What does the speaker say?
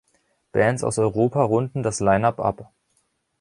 Bands aus Europa runden das Line-up ab.